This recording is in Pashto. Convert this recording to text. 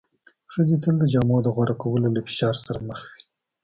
ښځې تل د جامو د غوره کولو له فشار سره مخ وې.